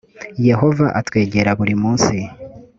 yehova atwegera burimunsi.